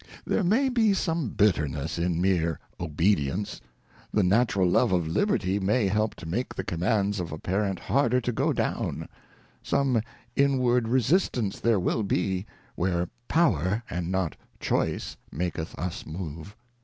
There may be some bitterness in meer Obedience : The natural Love of Liberty may help to make the Commands of a Parent harder to go down : Some inward resistance there will be, where Power and not Choice maketh us move.